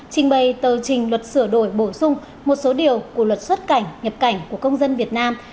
trình bày tờ trình luật sửa đổi bổ sung một số điều của luật xuất cảnh nhập cảnh của công dân việt nam